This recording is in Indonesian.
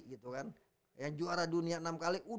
gitu kan yang juara dunia enam kali